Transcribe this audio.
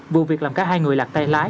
vụ việc làm cả hai người lạc tay lái